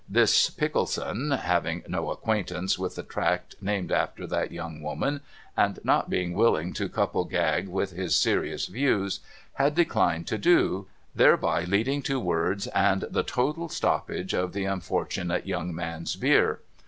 This, Pickleson, having no acquaintance with the tract named after that young woman, and not being willing to couple gag with his serious views, had declined to do, thereby leading to words and the total THE STRANGE YOUNG MAN 409 stoppage of the unfortunate young man's beer.